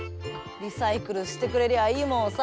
リサイクルしてくれりゃいいもんをさ。